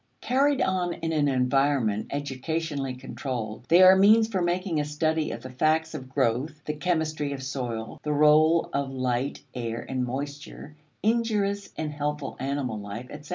Carried on in an environment educationally controlled, they are means for making a study of the facts of growth, the chemistry of soil, the role of light, air, and moisture, injurious and helpful animal life, etc.